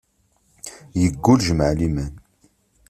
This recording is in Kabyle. Yeggul, jmaɛ liman.